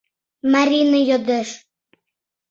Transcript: — Марина йодеш.